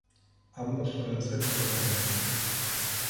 Ambos suelen ser en color negro.